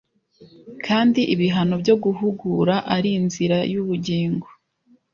Kandi ibihano byo guhugura ari inzira yubugingo